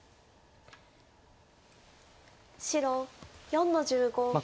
白４の十五ツギ。